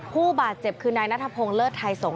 ผู้บาดเจ็บคือนายนัทพงศ์เลิศไทยสงฆ